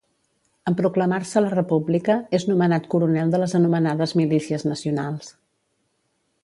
En proclamar-se la República, és nomenat coronel de les anomenades Milícies Nacionals.